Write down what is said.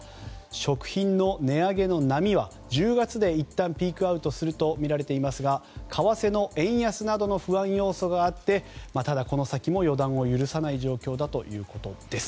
食品の値上げの波は１０月でいったんピークアウトするとみられていますが為替の円安などの不安要素があってこの先も予断を許さない状況だということです。